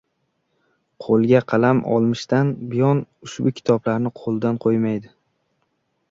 Qo‘liga qalam olmishdan buyon ushbu kitoblarni qo‘ldan qo‘ymadi.